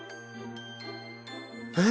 えっ？